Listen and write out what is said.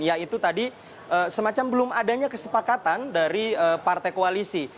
yaitu tadi semacam belum adanya kesepakatan dari partai koalisi